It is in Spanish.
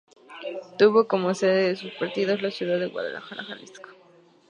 Tuvo como sede de sus partidos la ciudad de Guadalajara, Jalisco.